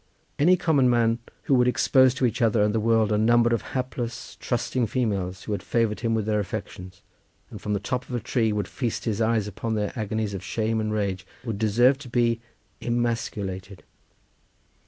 Any common man who would expose to each other and the world a number of hapless, trusting females who had favoured him with their affections, and from the top of a tree would feast his eyes upon their agonies of shame and rage would deserve to be ... emasculated.